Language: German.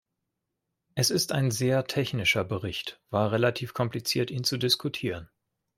Es ist ein sehr technischer Berichtwar relativ kompliziert, ihn zu diskutieren.